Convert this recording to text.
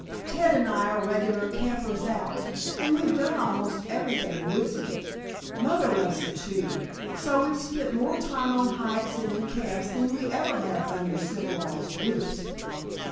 Ted and I are regular campers out, and we've done almost everything woodsy. Mother loves it too, so we've spent more time on hikes and in camps than we ever have under civilized roofs."